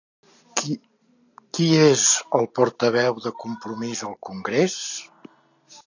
Qui és el portaveu de Compromís al congrés?